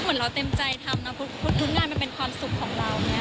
เหมือนเราเต็มใจทำนะทุกงานมันเป็นความสุขของเรา